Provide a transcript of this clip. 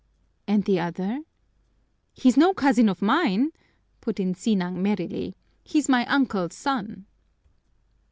"And the other?" "He's no cousin of mine," put in Sinang merrily. "He's my uncle's son."